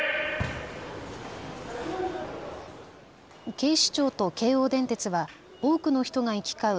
警視庁と京王電鉄は多くの人が行き交う